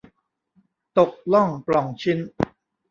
ตกล่องปล้องชิ้น